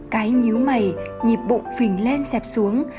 cái nhú mày nhịp bụng phình lên xẹp xuống